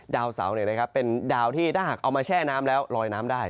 ดาวเสาเป็นดาวที่ถ้าหากเอามาแช่น้ำแล้วลอยน้ำได้